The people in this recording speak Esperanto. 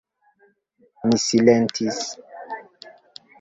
Mi silentis.